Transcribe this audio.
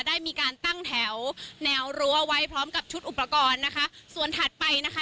ได้มีการตั้งแถวแนวรั้วเอาไว้พร้อมกับชุดอุปกรณ์นะคะส่วนถัดไปนะคะ